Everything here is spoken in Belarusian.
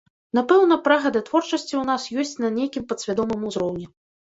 Напэўна, прага да творчасці ў нас ёсць на нейкім падсвядомым узроўні.